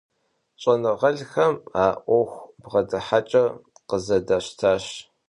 ЩӀэныгъэлӀхэм а Ӏуэху бгъэдыхьэкӀэр къызэдащтащ.